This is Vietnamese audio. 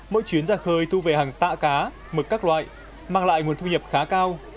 mỗi chuyến ra khơi thu về hàng tạ cá mực các loại mang lại nguồn thu nhập khá cao